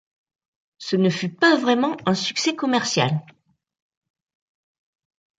Ce ne fut pas vraiment un succès commercial.